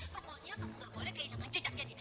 pokoknya kamu gak boleh kehilangan jejaknya dia